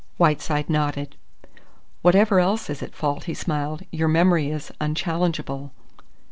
Whiteside nodded. "Whatever else is at fault," he smiled, "your memory is unchallengeable."